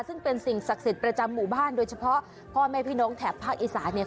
ซึ่งเป็นสิ่งศักดิ์สิทธิ์ประจำหมู่บ้านโดยเฉพาะพ่อแม่พี่น้องแถบภาคอีสานเนี่ย